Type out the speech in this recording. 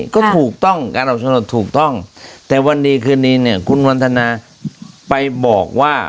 ก็ถูกต้องการออกสนุนถูกต้องแต่วันดีคืนนี้เนี่ยคุณวันทนาไปบอกว่า